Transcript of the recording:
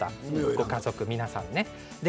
ご家族の皆さんね。